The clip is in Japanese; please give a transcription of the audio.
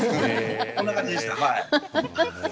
そんな感じでした。